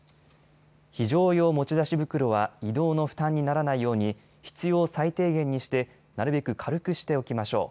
非常用持ち出し袋は移動の負担にならないように必要最低限にしてなるべく軽くしておきましょう。